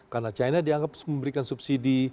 karena china dianggap memberikan subsidi